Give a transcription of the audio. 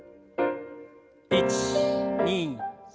１２３